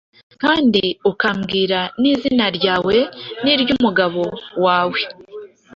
kandi ukambwira n'izina ryawe n'iry'umugabo wawe,